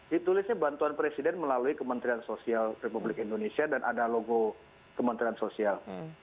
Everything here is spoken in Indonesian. ditulisnya bantuan presiden melalui kementerian sosial republik indonesia dan ada logo kementerian sosial